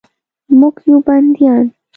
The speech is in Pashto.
موږ یو بندیان